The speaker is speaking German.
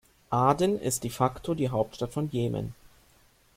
Aden ist de facto die Hauptstadt von Jemen.